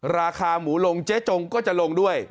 ราคาหมูลงเจ๊จงก็จะลงด้วย